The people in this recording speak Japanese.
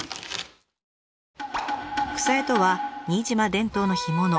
くさやとは新島伝統の干物。